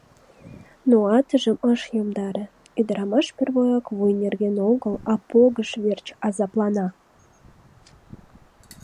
Но атыжым ыш йомдаре: ӱдырамаш первояк вуй нерген огыл, а погыж верч азаплана.